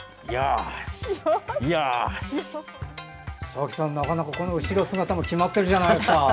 佐々木さん、この後ろ姿も決まってるじゃないですか。